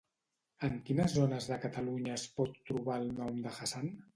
En quines zones de Catalunya es pot trobar el nom de Hassan?